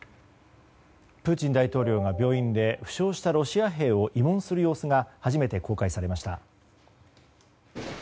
プーチン大統領が病院で負傷したロシア兵を慰問する様子が初めて公開されました。